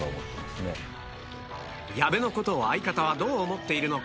矢部のことを相方はどう思っているのか？